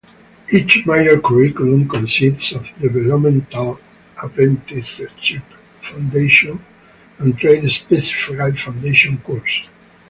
Each major curriculum consists of developmental, apprenticeship foundation and trade-specific foundation courses.